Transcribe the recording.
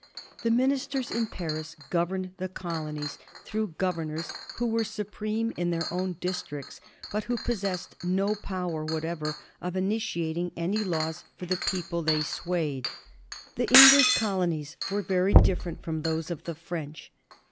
The ministers in Paris governed the colonies through governors who were supreme in their own districts, but who possessed no power whatever of initiating any laws for the people they swayed. 284 A HISTORY OF THE FOUR GEORGES. cb.xl. The English colonies were veiy different from those of the French.